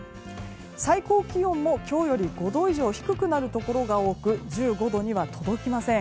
最高気温も今日より５度以上低くなるところが多く１５度には届きません。